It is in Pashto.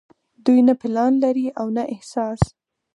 دوي نۀ پلان لري او نه احساس